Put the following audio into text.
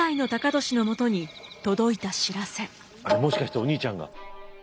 もしかしてお兄ちゃんが。